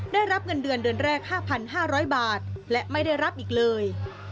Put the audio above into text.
ได้รับเงินเดือนเดือนแรก๕๕๐๐บาทและไม่ได้รับอีกเลย